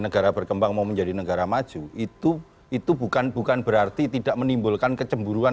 negara berkembang mau menjadi negara maju itu bukan bukan berarti tidak menimbulkan kecemburuan